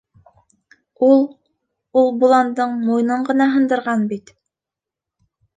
Ул... ул боландың муйынын ғына һындырған бит.